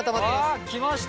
わ来ました。